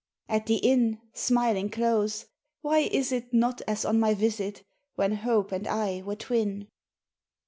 At the inn Smiling close, why is it Not as on my visit When hope and I were twin?